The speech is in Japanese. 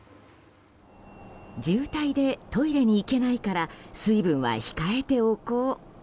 渋滞でトイレに行けないから水分は控えておこう。